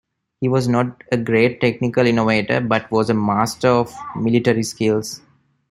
He was not a great technical innovator, but was a master of military skills.